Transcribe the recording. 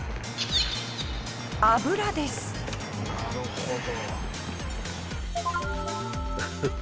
なるほど。